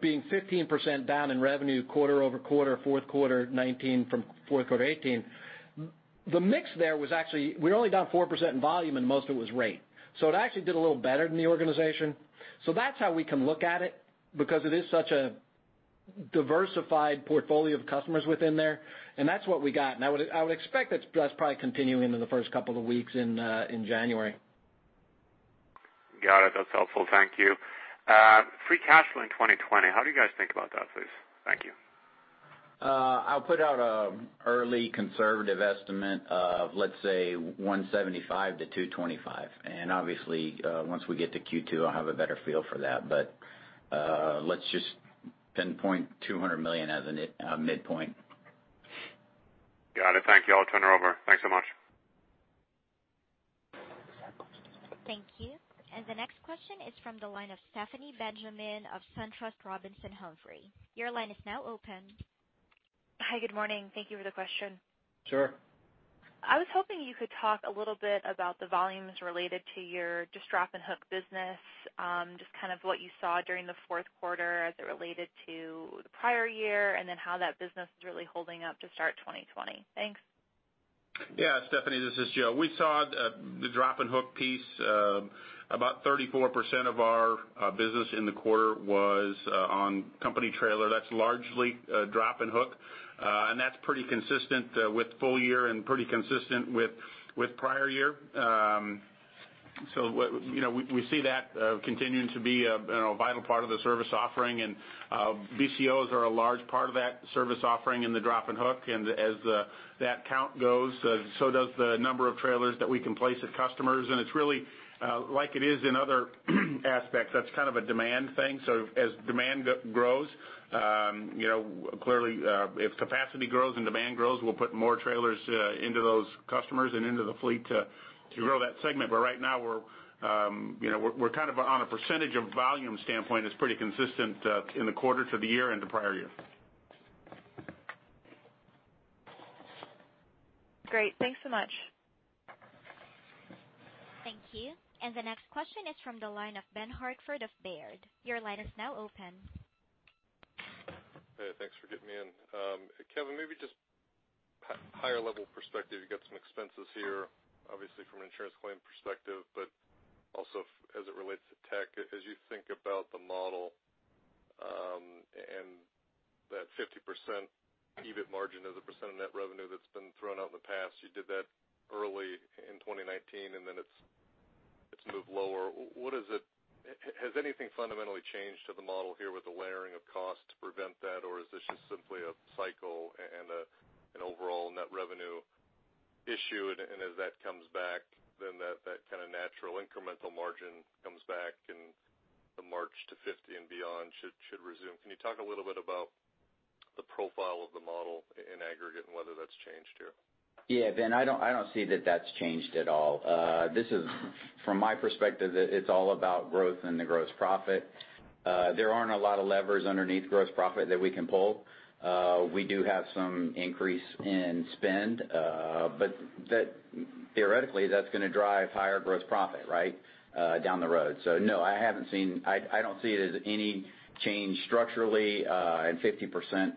being 15% down in revenue quarter-over-quarter, fourth quarter 2019 from fourth quarter 2018, the mix there was actually, we're only down 4% in volume, and most of it was rate. So it actually did a little better than the organization. So that's how we can look at it, because it is such a diversified portfolio of customers within there, and that's what we got. And I would expect that's probably continuing into the first couple of weeks in January. Got it. That's helpful. Thank you. Free cash flow in 2020, how do you guys think about that, please? Thank you. I'll put out an early conservative estimate of, let's say, $175 million-$225 million. And obviously, once we get to Q2, I'll have a better feel for that. But, let's just pinpoint $200 million as a midpoint. Got it. Thank you. I'll turn it over. Thanks so much. Thank you. The next question is from the line of Stephanie Benjamin of SunTrust Robinson Humphrey. Your line is now open. Hi, good morning. Thank you for the question. Sure. I was hoping you could talk a little bit about the volumes related to your drop-and-hook business, just kind of what you saw during the fourth quarter as it related to the prior year, and then how that business is really holding up to start 2020. Thanks. Yeah, Stephanie, this is Joe. We saw the drop-and-hook piece, about 34% of our business in the quarter was on company trailer. That's largely drop and hook, and that's pretty consistent with full year and pretty consistent with prior year. So what, you know, we see that continuing to be a vital part of the service offering, and BCOs are a large part of that service offering in the drop and hook. And as that count goes, so does the number of trailers that we can place at customers. And it's really, like it is in other aspects, that's kind of a demand thing. So as demand grows, you know, clearly, if capacity grows and demand grows, we'll put more trailers into those customers and into the fleet to grow that segment. But right now we're, you know, we're kind of on a percentage of volume standpoint, it's pretty consistent in the quarter to the year and the prior year. Great. Thanks so much. Thank you. The next question is from the line of Ben Hartford of Baird. Your line is now open. Hey, thanks for getting me in. Kevin, maybe just a higher level perspective, you've got some expenses here, obviously from an insurance claim perspective, but also as it relates to tech. As you think about the model, and that 50% EBIT margin as a percent of net revenue that's been thrown out in the past, you did that early in 2019, and then it's moved lower. Has anything fundamentally changed to the model here with the layering of cost to prevent that? Or is this just simply a cycle and an overall net revenue issue, and as that comes back, then that kind of natural incremental margin comes back and the march to 50 and beyond should resume? Can you talk a little bit about the profile of the model in aggregate and whether that's changed here? Yeah, Ben, I don't see that that's changed at all. This is, from my perspective, it's all about growth and the gross profit. There aren't a lot of levers underneath gross profit that we can pull. We do have some increase in spend, but that, theoretically, that's going to drive higher gross profit, right, down the road. So no, I haven't seen. I don't see it as any change structurally, and 50%,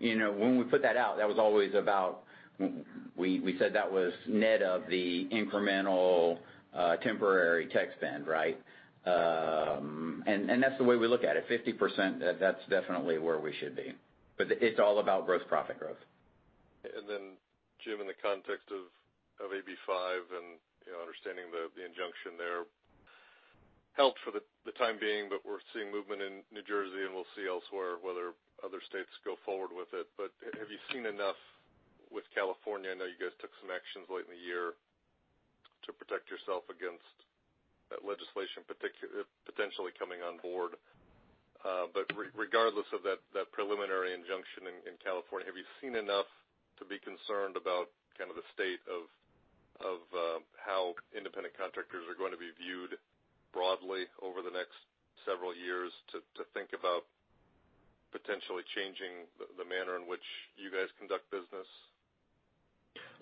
you know, when we put that out, that was always about... We said that was net of the incremental, temporary tech spend, right? And that's the way we look at it. 50%, that's definitely where we should be, but it's all about gross profit growth. And then, Jim, in the context of AB5 and, you know, understanding the injunction there helped for the time being, but we're seeing movement in New Jersey, and we'll see elsewhere whether other states go forward with it. But have you seen enough with California? I know you guys took some actions late in the year... to protect yourself against that legislation, potentially coming on board. But regardless of that preliminary injunction in California, have you seen enough to be concerned about kind of the state of how independent contractors are going to be viewed broadly over the next several years, to think about potentially changing the manner in which you guys conduct business?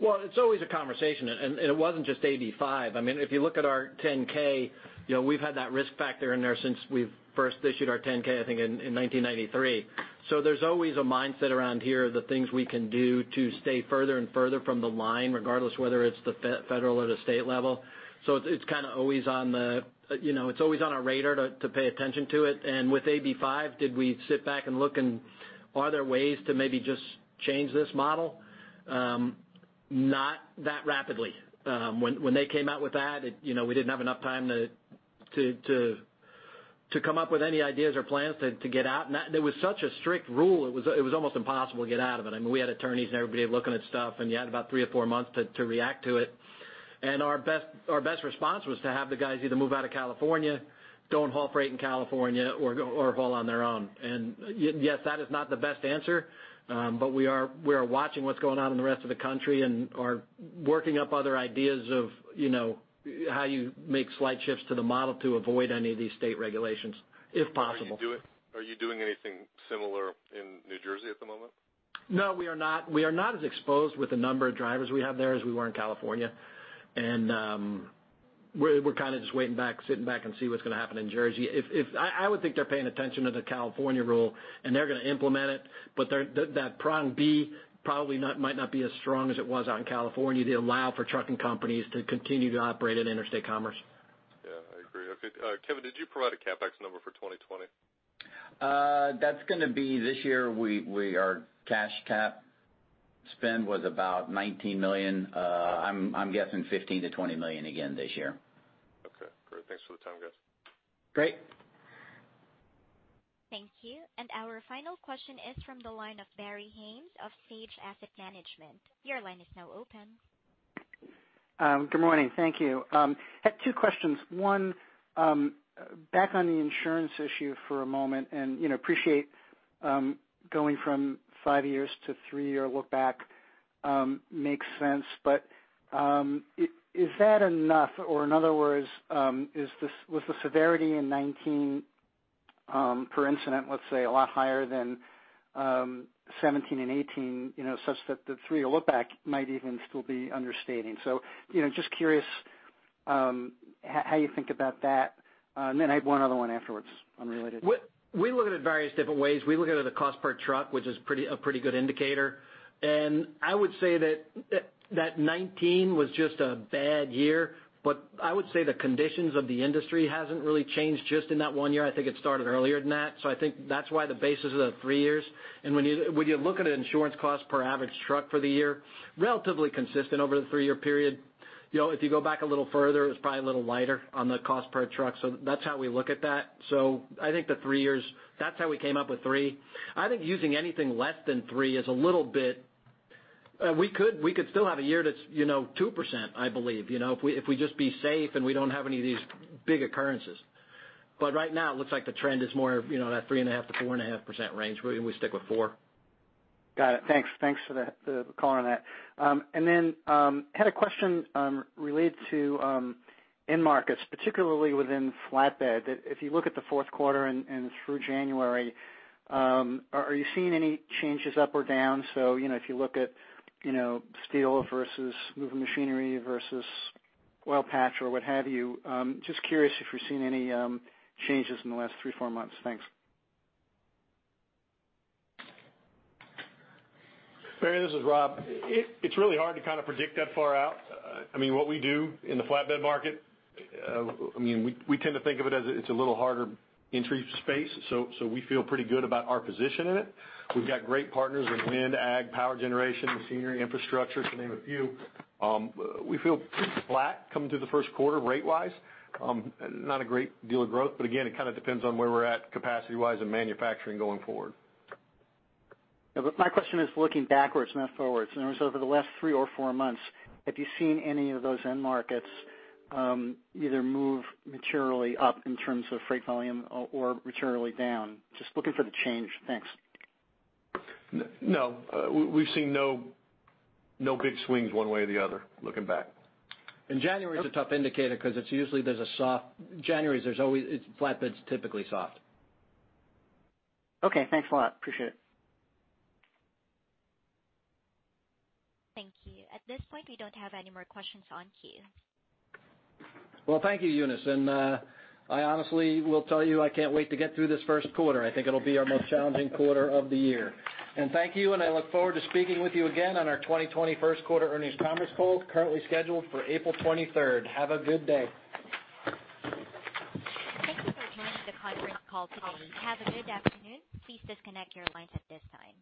Well, it's always a conversation, and it wasn't just AB5. I mean, if you look at our 10-K, you know, we've had that risk factor in there since we've first issued our 10-K, I think, in 1993. So there's always a mindset around here of the things we can do to stay further and further from the line, regardless whether it's the federal or the state level. So it's kind of always on the, you know, it's always on our radar to pay attention to it. And with AB5, did we sit back and look and are there ways to maybe just change this model? Not that rapidly. When they came out with that, it, you know, we didn't have enough time to come up with any ideas or plans to get out. It was such a strict rule. It was almost impossible to get out of it. I mean, we had attorneys and everybody looking at stuff, and you had about three or four months to react to it. Our best response was to have the guys either move out of California, don't haul freight in California, or haul on their own. Yes, that is not the best answer, but we are watching what's going on in the rest of the country and are working up other ideas of, you know, how you make slight shifts to the model to avoid any of these state regulations, if possible. Are you doing anything similar in New Jersey at the moment? No, we are not. We are not as exposed with the number of drivers we have there as we were in California. We're kind of just sitting back and waiting to see what's going to happen in Jersey. I would think they're paying attention to the California rule, and they're going to implement it, but that prong B probably not, might not be as strong as it was out in California to allow for trucking companies to continue to operate in interstate commerce. Yeah, I agree. Okay. Kevin, did you provide a CapEx number for 2020? That's going to be this year, our cash cap spend was about $19 million. I'm guessing $15-$20 million again this year. Okay, great. Thanks for the time, guys. Great. Thank you. Our final question is from the line of Barry Haimes of Sage Asset Management. Your line is now open. Good morning. Thank you. Had two questions. One, back on the insurance issue for a moment, and, you know, appreciate going from five years to three-year look back, makes sense. But, is that enough? Or in other words, was the severity in 2019 per incident, let's say, a lot higher than 2017 and 2018, you know, such that the three-year look back might even still be understating? So, you know, just curious how you think about that. And then I have one other one afterwards, unrelated. We look at it various different ways. We look at it the cost per truck, which is pretty, a pretty good indicator, and I would say that that 2019 was just a bad year. But I would say the conditions of the industry hasn't really changed just in that one year. I think it started earlier than that, so I think that's why the basis of the three years. And when you look at an insurance cost per average truck for the year, relatively consistent over the three-year period. You know, if you go back a little further, it's probably a little lighter on the cost per truck. So that's how we look at that. So I think the three years, that's how we came up with three. I think using anything less than three is a little bit... We could still have a year that's, you know, 2%, I believe, you know, if we just be safe, and we don't have any of these big occurrences. But right now, it looks like the trend is more, you know, that 3.5%-4.5% range, we stick with 4. Got it. Thanks. Thanks for the color on that. And then had a question related to end markets, particularly within flatbed. If you look at the fourth quarter and through January, are you seeing any changes up or down? So, you know, if you look at, you know, steel versus moving machinery versus oil patch or what have you, just curious if you're seeing any changes in the last 3 or 4 months. Thanks. Barry, this is Rob. It's really hard to kind of predict that far out. I mean, what we do in the flatbed market, I mean, we tend to think of it as it's a little harder entry space, so we feel pretty good about our position in it. We've got great partners in wind, ag, power generation, and civil infrastructure, to name a few. We feel pretty flat coming through the first quarter, rate-wise. Not a great deal of growth, but again, it kind of depends on where we're at capacity-wise in manufacturing going forward. Yeah, but my question is looking backwards, not forwards. In other words, over the last three or four months, have you seen any of those end markets, either move materially up in terms of freight volume or materially down? Just looking for the change. Thanks. No. We've seen no big swings one way or the other, looking back. January is a tough indicator because it's usually soft. January, there's always flatbed's typically soft. Okay, thanks a lot. Appreciate it. Thank you. At this point, we don't have any more questions in queue. Well, thank you, Eunice, and I honestly will tell you, I can't wait to get through this first quarter. I think it'll be our most challenging quarter of the year. And thank you, and I look forward to speaking with you again on our 2021 first quarter earnings conference call, currently scheduled for April twenty-third. Have a good day. Thank you for joining the conference call today. Have a good afternoon. Please disconnect your lines at this time.